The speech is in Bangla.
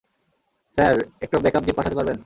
স্যার, একটা ব্যাকআপ জিপ পাঠাতে পারবেন?